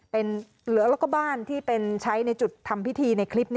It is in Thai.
เป็นเหลือแล้วก็บ้านที่เป็นใช้ในจุดทำพิธีในคลิป